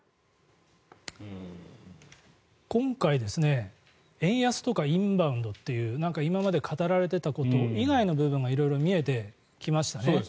今回、円安とかインバウンドという今まで語られていたこと以外の部分が色々見えてきましたね。